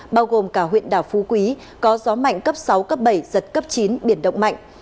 bao gồm cả huyện đảo phú quý có gió mạnh cấp sáu cấp bảy giật cấp chín biển động mạnh